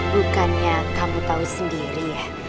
bukannya kamu tahu sendiri ya